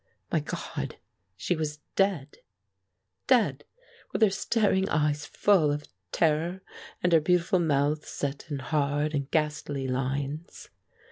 My God, she was dead! Dead, with her staring eyes full of terror, and her beautiful mouth set in hard and ghastly lines.